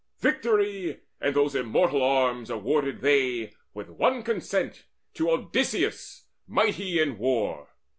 Victory And those immortal arms awarded they With one consent to Odysseus mighty in war.